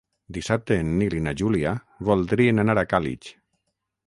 Dissabte en Nil i na Júlia voldrien anar a Càlig.